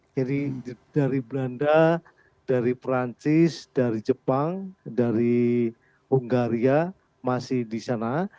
jadi dari belanda dari perancis dari jepang dari hungaria masih di sana